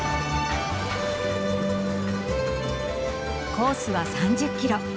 コースは３０キロ。